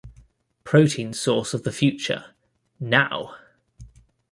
Protein Source of the Future...Now!